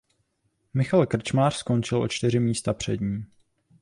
Michal Krčmář skončil o čtyři místa před ním.